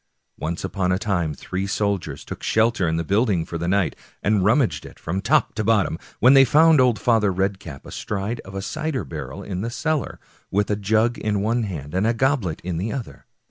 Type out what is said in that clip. Once upon a time three soldiers took shelter in the building for the night, and rummaged it from top to bottom, when they found old Father Red cap astride of a cider barrel in the cellar, with a jug in one hand and a goblet in the other.